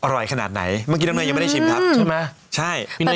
อร่อยขนาดไหนเมื่อกี้น้ำเยยังไม่ได้ชิมครับใช่ไหมใช่